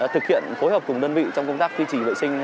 thực hiện phối hợp cùng đơn vị trong công tác quy trình vệ sinh